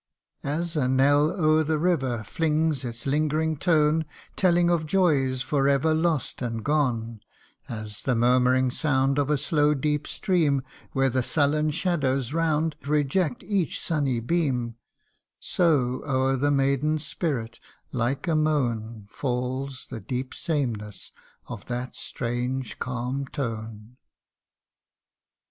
As a knell o'er the river Flings its lingering tone, Telling of joys for ever Lost and gone : As the murmuring sound Of a slow deep stream, Where the sullen shadows round Reject each sunny beam : So o'er the maiden's spirit, like a moan, Falls the deep sameness of that strange calm tone.